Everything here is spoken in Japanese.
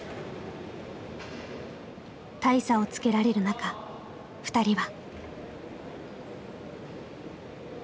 大差をつけられる中ふたりは。